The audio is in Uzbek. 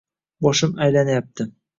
Boshim aylanyapti.